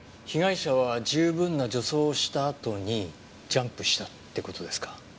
被害者は十分な助走をしたあとにジャンプしたって事ですか。